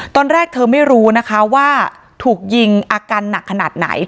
ตอนแรกเธอไม่รู้นะคะว่าถูกยิงอาการหนักขนาดไหน